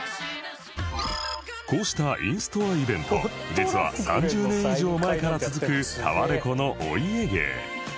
こうしたインストアイベント実は３０年以上前から続くタワレコのお家芸